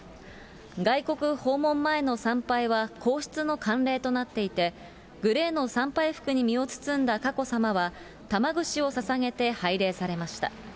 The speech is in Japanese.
外国訪問前の参拝は皇室の慣例となっていて、グレーの参拝服に身を包んだ佳子さまは、玉串をささげて拝礼されました。